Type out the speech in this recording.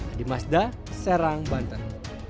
adi mazda serang banten